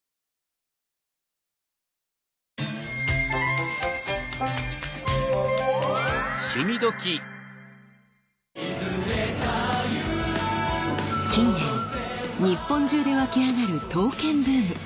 近年日本中でわきあがる刀剣ブーム。